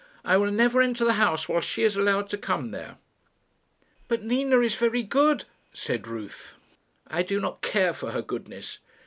"I will never enter the house while she is allowed to come there." "But Nina is very good," said Ruth. "I do not care for her goodness."